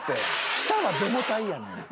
下はデモ隊やねん。